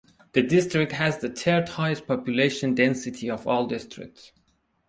The district has the third highest population density of all districts.